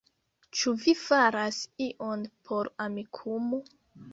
Ĉu vi faras ion por Amikumu?